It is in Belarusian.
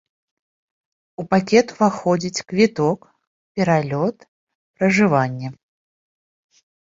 У пакет уваходзіць квіток, пералёт, пражыванне.